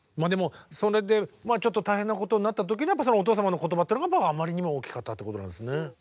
それでちょっと大変なことになった時にお父様の言葉っていうのがあまりにも大きかったということなんですね。